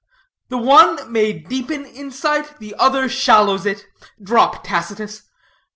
The one may deepen insight, the other shallows it. Drop Tacitus.